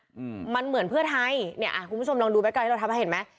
อืมมันเหมือนเพื่อไทยเนี้ยอ่ะคุณผู้ชมลองดูแกที่เราทำให้เห็นไหม